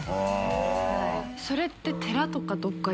それって。